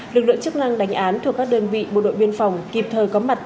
lực lượng chức năng đánh án thuộc các đơn vị bộ đội biên phòng kịp thời có mặt